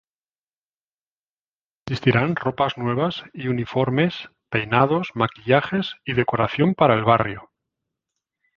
Existirán ropas nuevas y uniformes, peinados, maquillajes y decoración para el barrio.